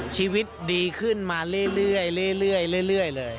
ชีวิตดีขึ้นมาเรื่อยเลย